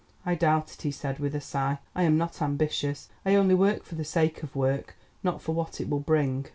"I doubt it," he said with a sigh. "I am not ambitious. I only work for the sake of work, not for what it will bring.